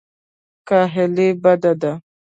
کاهلي بد دی.